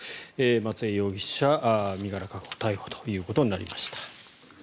松江容疑者、身柄確保逮捕ということになりました。